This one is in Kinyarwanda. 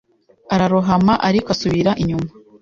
Ararohama ariko asubira inyuma